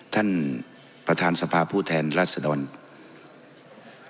ท่านประธานภพภูแฟนรัฐสธรรม